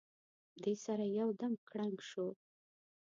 دې سره یو دم کړنګ شو.